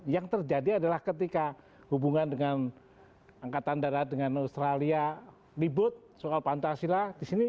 yang terjadi adalah ketika hubungan dengan angkatan darat dengan australia ribut soal pancasila di sini